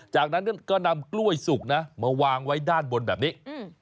จากนั้นก็นำกล้วยสุกนะมาวางไว้ด้านบนแบบนี้